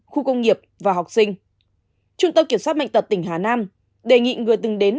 khu công nghiệp và học sinh trung tâm kiểm soát bệnh tật tỉnh hà nam đề nghị người từng đến